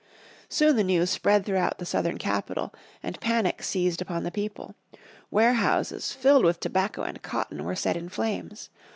Soon the news spread throughout the Southern capital, and panic seized upon the people. Warehouses, filled with tobacco and cotton, were set in flames.